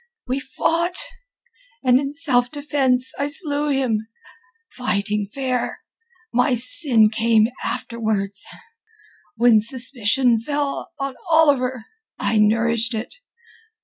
We fought, and in self defence I slew him—fighting fair. My sin came afterwards. When suspicion fell on Oliver, I nourished it...